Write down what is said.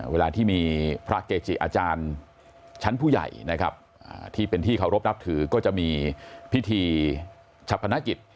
เวลาที่มีพระเกจิอาจารย์ชั้นผู้ใหญ่นะครับที่เป็นที่เคารพนับถือก็จะมีพิธีชะพนักกิจ